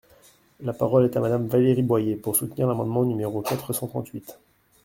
La parole est à Madame Valérie Boyer, pour soutenir l’amendement numéro quatre cent trente-huit.